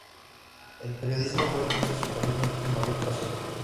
El periodismo fue entonces su camino y mayor pasión.